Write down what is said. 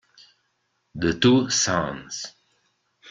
The Two Sons